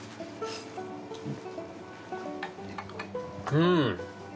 うん。